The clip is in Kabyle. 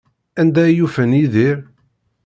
Anda ay ufan Yidir?